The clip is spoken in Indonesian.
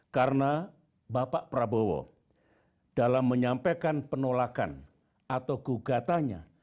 karena bapak prabowo dalam menyampaikan penolakan atau gugatannya